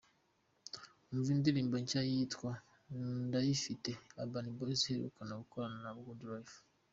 Umva indirimbo nshya yitwa "Ndayifite"Urban Boyz baheruka gukorana na Goodlyfe :.